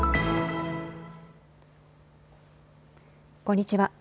こんにちは。